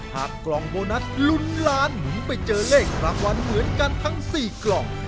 กล่องโบนัสลุ้นล้านหมุนไปเจอเลขรางวัลเหมือนกันทั้ง๔กล่อง